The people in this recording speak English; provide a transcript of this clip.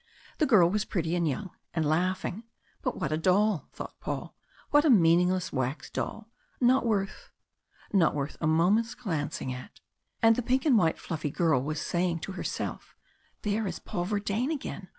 The girl was pretty and young, and laughing. But what a doll! thought Paul. What a meaningless wax doll! Not worth not worth a moment's glancing at. And the pink and white fluffy girl was saying to herself: "There is Paul Verdayne again.